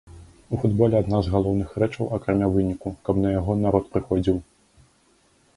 У футболе адна з галоўных рэчаў акрамя выніку, каб на яго народ прыходзіў.